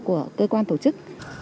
của cơ quan tổ chức